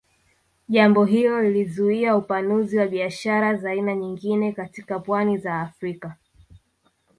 Jambo hilo lilizuia upanuzi wa biashara za aina nyingine katika pwani za Afrika